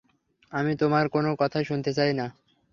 আমি তোমার কোনো কথা শুনতে চাই না।